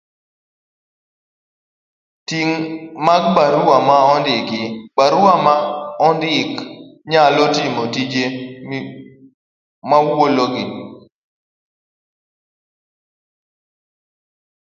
Ting ' mag barua ma ondik.barua ma ondik nyalo timo tije maluwogi.